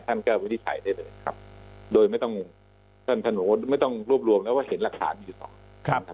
ท่านก็วิทยาลัยได้เลยครับโดยไม่ต้องทานโหนูไม่ต้องรวบรวมแล้วว่าเห็นหลักฐาน